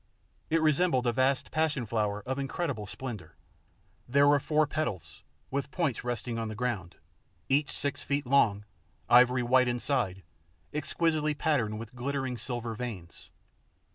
It resembled a vast passion flower of incredible splendour. There were four petals, with points resting on the ground, each six feet long, ivory white inside, exquisitely patterned with glittering silver veins.